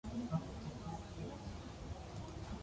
"But the detainee is not obliged to respond".